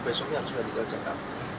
besoknya harus mendidak jaga